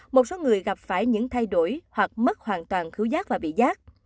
một số người gặp phải những thay đổi hoặc mất hoàn toàn khứu giác và bị giác